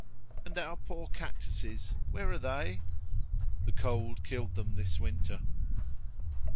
"And our poor cactuses, where are they?" "The cold killed them this winter."